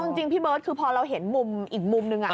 จริงพี่เบิร์ตคือพอเราเห็นมุมอีกมุมนึง